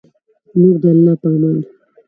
نور د الله په امان